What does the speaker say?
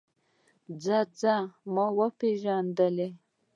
ځه ځه ما وپېژندلې.